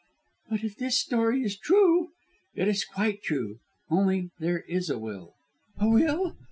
"But if this story is true " "It's quite true, only there is a will." "A will?"